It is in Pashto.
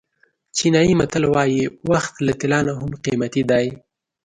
چینایي متل وایي وخت له طلا نه هم قیمتي دی.